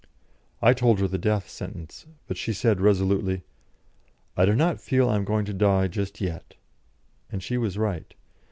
I told her the death sentence, but she said resolutely, "I do not feel that I am going to die just yet," and she was right.